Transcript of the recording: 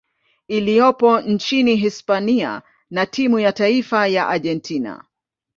iliyopo nchini Hispania na timu ya taifa ya Argentina.